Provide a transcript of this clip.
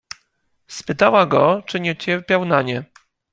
"Spytała go, czy nie cierpiał na nie."